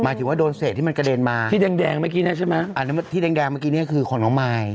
ถือว่าโดนเศษที่มันกระเด็นมาที่แดงเมื่อกี้เนี่ยใช่ไหมอันนั้นที่แดงเมื่อกี้เนี่ยคือของน้องมาย